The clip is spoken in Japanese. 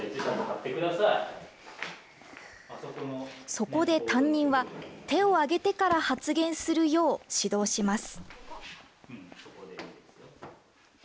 そこで担任は手を挙げてから発言するよう指導します。